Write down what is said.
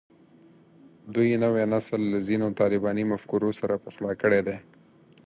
دوی نوی نسل له ځینو طالباني مفکورو سره پخلا کړی دی